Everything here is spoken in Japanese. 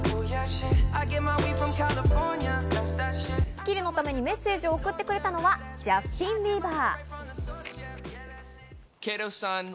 『スッキリ』のためにメッセージを送ってくれたのはジャスティン・ビーバー。